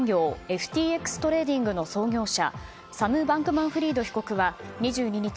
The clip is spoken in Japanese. ＦＴＸトレーディングの創業者サム・バンクマンフリード被告は２２日